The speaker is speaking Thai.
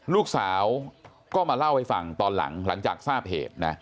ลูกสาวก็มาเล่าให้ฟังตอนหลังหลังจากทราบเหตุนะ